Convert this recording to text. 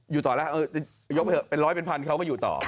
อยู่ต่อแล้วยกไปเถอะเป็นร้อยเป็นพันเขาก็อยู่ต่อ